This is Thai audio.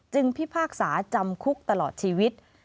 พิพากษาจำคุกตลอดชีวิต